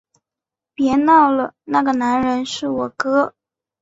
别闹了，那个男人是我哥